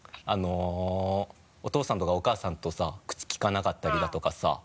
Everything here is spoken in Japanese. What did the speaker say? あのお父さんとかお母さんとさ口きかなかったりだとかさ。